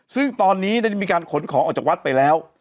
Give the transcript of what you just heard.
ซึ่งตอนนี้ได้มีการขนของออกจากวัดไปแล้ว